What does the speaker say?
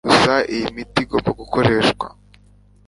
Gusa iyi miti igomba gukoreshwa